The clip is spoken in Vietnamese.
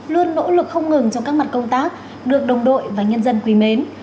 luôn nỗ lực không ngừng trong các mặt công tác được đồng đội và nhân dân quý mến